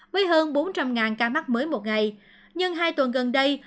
với hơn bốn trăm linh ca mắc mới một ngày nhưng hai tuần gần đây